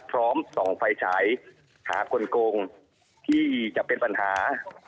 พร้อมส่องไฟฉายหากลงที่จะเป็นปัญหา